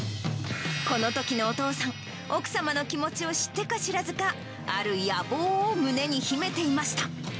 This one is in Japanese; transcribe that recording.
このときのお父さん、奥様の気持ちを知ってか知らずか、ある野望を胸に秘めていました。